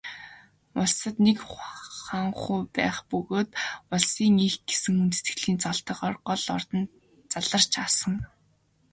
Улсад нэг хуанху байх бөгөөд Улсын эх гэсэн хүндэтгэлийн цолтойгоор гол ордонд заларч асан.